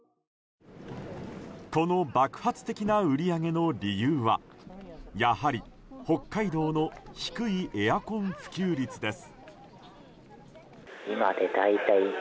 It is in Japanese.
この爆発的な売り上げの理由はやはり北海道の低いエアコン普及率です。